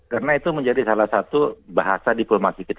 karena itu menjadi salah satu bahasa diplomasi kita